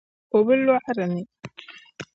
O bi lɔɣiri ni.